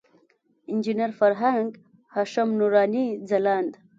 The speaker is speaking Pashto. انجینر فرهنګ، هاشم نوراني، ځلاند.